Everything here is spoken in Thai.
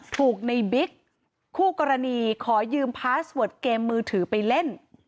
ถูกในบิ๊กคู่กรณีขอยืมพาสเวิร์ดเกมมือถือไปเล่น